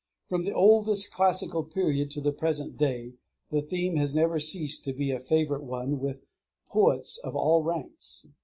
From the oldest classical period to the present day, the theme has never ceased to be a favorite one with poets of all ranks.